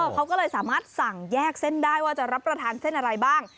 เขาก็เลยสามารถสั่งแยกเส้นได้ว่าจะรับประทานเส้นอะไรบ้าง